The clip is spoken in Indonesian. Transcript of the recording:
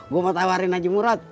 gue mau tawarin aja murad